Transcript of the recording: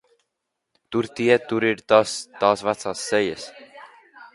Tur tie, tur ir tās vecās sejas!